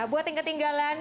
buat yang ketinggalan